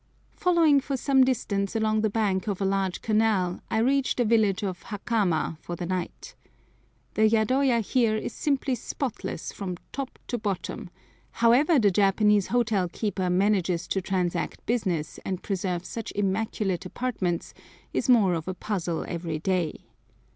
Following for some distance along the bank of a large canal I reach the village of Hakama for the night. The yadoya here is simply spotless from top to bottom; however the Japanese hotel keeper manages to transact business and preserve such immaculate apartments is more of a puzzle every day.